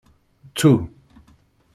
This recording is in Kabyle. Ttu.